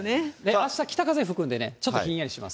あした、北風吹くんでね、ちょっとひんやりします。